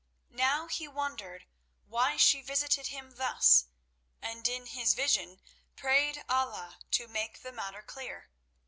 Now he wondered why she visited him thus, and in his vision prayed Allah to make the matter clear.